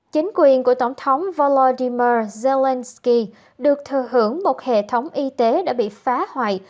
chính quyền của tổng thống volodymer zelensky được thừa hưởng một hệ thống y tế đã bị phá hoại